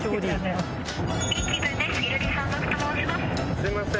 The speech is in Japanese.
すいません。